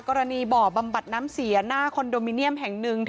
กรณีบ่อบำบัดน้ำเสียหน้าคอนโดมิเนียมแห่งหนึ่ง